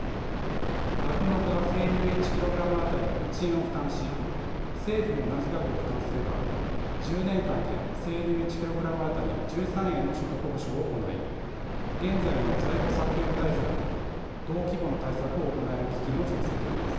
酪農家が生乳１ｋｇあたり１円を負担し政府も同じ額を負担すれば１０年間で生乳１ｋｇあたり１３円の所得補償を行い現在の在庫削減対策と同規模の対策を行える基金を造成できます。